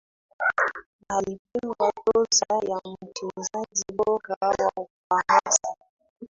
Na alipewa tuzo ya mchezaji bora wa Ufaransa